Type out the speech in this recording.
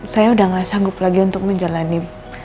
saya sudah tidak sanggup lagi untuk menjalani